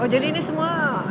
jadi ini semua